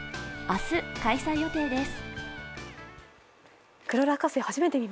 明日、開催予定です。